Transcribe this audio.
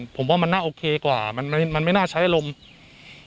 ผมว่ามันน่าโอเคกว่ามันมันไม่น่าใช้อารมณ์